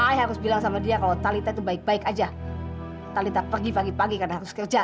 i harus bilang sama dia kalau tali itu baik baik aja tali tak pergi pagi pagi karena harus kerja